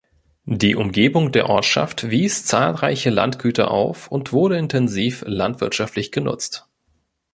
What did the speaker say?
Die Umgebung der Ortschaft wies zahlreiche Landgüter auf und wurde intensiv landwirtschaftlich genutzt.